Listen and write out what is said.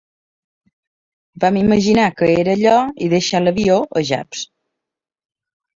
Vam imaginar que era allò i deixar l"avió a Japs.